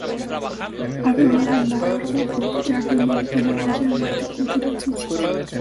Ha ganado la Award of Garden Merit de la Royal Horticultural Society.